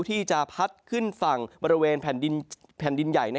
ที่จะพัดขึ้นฝั่งบริเวณแผ่นดินใหญ่